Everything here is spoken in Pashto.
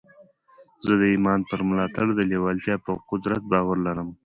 زه د ایمان پر ملاتړ د لېوالتیا پر قدرت باور لرم